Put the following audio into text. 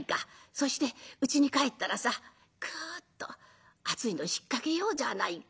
そしてうちに帰ったらさクッと熱いの引っ掛けようじゃあないか。